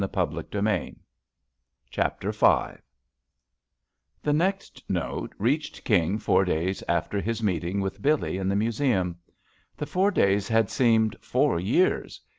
S JUST SWEETHEARTS Chapter V THE next note reached King four days after his meeting with Billee in the Museum. The four days had seemed four years.